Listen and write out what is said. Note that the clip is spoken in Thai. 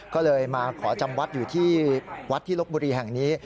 ก็เลยมาขอจำวัดอยู่ที่วัดที่ลบบุรีแห่งนี้